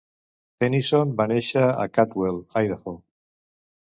Tenison va néixer a Caldwell, Idaho.